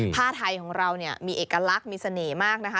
ผ้าไทยของเราเนี่ยมีเอกลักษณ์มีเสน่ห์มากนะคะ